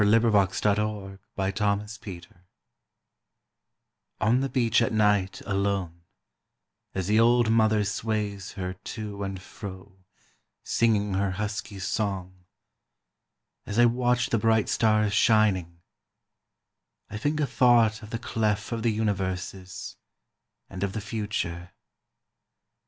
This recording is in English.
Leaves of Grass. 1900. 218. On the Beach at Night, Alone ON the beach at night alone, As the old mother sways her to and fro, singing her husky song, As I watch the bright stars shining—I think a thought of the clef of the universes, and of the future.